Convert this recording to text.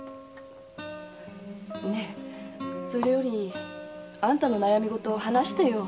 ねえそれよりあんたの悩みごと話してよ。